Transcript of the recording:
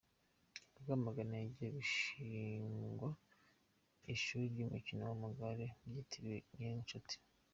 Rwamagana Hagiye gushingwa ishuri ry’umukino w’amagare ryitiriwe Niyonshuti